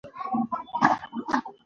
په پردیو مرستو متکي پاتې کیږي.